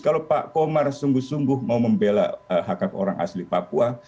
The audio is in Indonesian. kalau pak komar sungguh sungguh mau membela hak hak orang asli papua